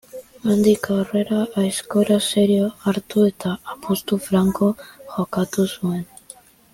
Handik aurrera aizkora serio hartu eta apustu franko jokatu zuen.